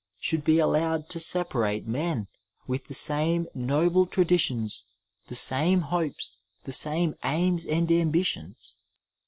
— should be allowed to separate men with the same noble traditions, the same hopes, the same aims and ambitions.